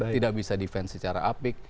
tidak bisa defense secara apik